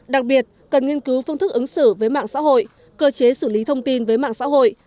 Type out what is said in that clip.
đặc biệt cần nghiên cứu phương thức ứng xử với mạng xã hội cơ chế xử lý thông tin với mạng xã hội